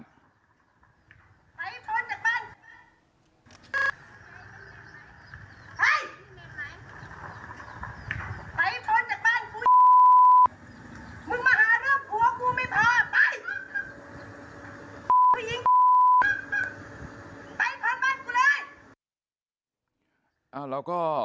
ไปทนจากบ้านไปทนจากบ้านมึงมาหาเรื่องหัวกูไม่พอไป